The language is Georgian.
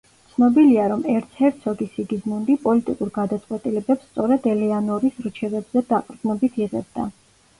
ცნობილია, რომ ერცჰერცოგი სიგიზმუნდი, პოლიტიკურ გადაწყვეტილებებს სწორედ ელეანორის რჩევებზე დაყრდნობით იღებდა.